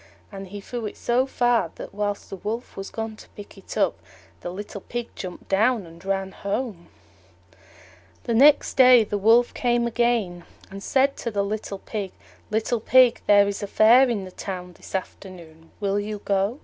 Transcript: And he threw it so far that, while the Wolf was gone to pick it up, the little Pig jumped down and ran home. The next day the Wolf came again, and said to the little Pig, "Little Pig, there is a Fair in the Town this afternoon: will you go?"